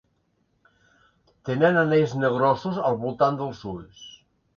Tenen anells negrosos al voltant dels ulls.